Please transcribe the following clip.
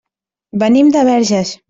Venim de Verges.